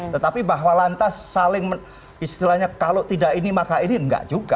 tetapi bahwa lantas saling istilahnya kalau tidak ini maka ini enggak juga